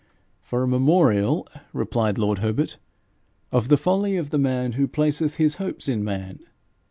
'For a memorial,' replied lord Herbert, 'of the folly of the man who placeth his hopes in man.